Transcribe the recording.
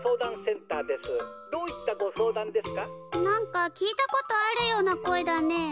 何か聞いたことあるような声だね。